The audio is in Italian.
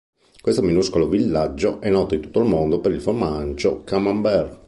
Questo minuscolo villaggio è noto in tutto il mondo per il formaggio Camembert.